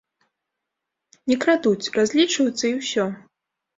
Не крадуць, разлічваюцца, і ўсё.